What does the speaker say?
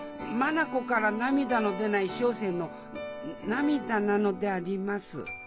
眼から涙の出ない小生の涙なのであります